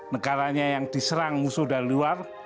negaranya yang diserang musuh dari luar